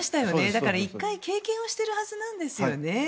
だから１回経験しているはずなんですよね。